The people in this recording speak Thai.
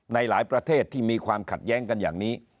ในหลายประเทศที่มีความขัดแย้งกันอย่างนี้